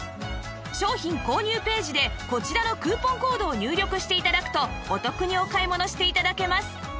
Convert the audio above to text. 商品購入ページでこちらのクーポンコードを入力して頂くとお得にお買い物して頂けます